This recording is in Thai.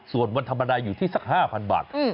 ส่วนวันธรรมดาอยู่ที่สัก๕๐๐บาท